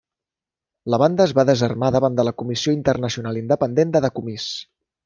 La banda es va desarmar davant de la Comissió Internacional Independent de Decomís.